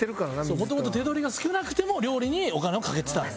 元々手取りが少なくても料理にお金をかけてたんで。